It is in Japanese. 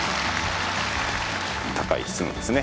高い質のですね